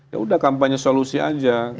ya udah kampanye solusi aja